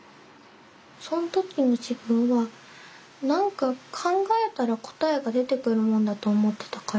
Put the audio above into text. その時の自分は何か考えたら答えが出てくるものだと思ってたから。